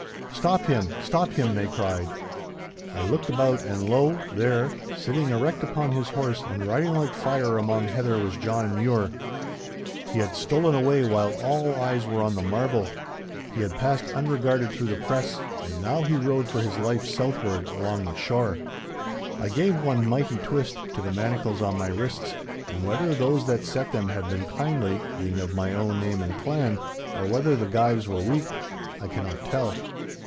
'Stop him! stop him!' they cried. I looked about, and lo! there, sitting erect upon his horse and riding like fire among heather, was John Mure. He had stolen away while all eyes were on the marvel. He had passed unregarded through the press, and now he rode for his life southward along the shore. I gave one mighty twist to the manacles on my wrists, and whether those that set them had been kindly, being of my own name and clan, or whether the gyves were weak, I cannot tell.